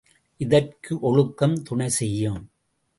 இதற்கு ஒழுக்கம் துணை செய்யும்.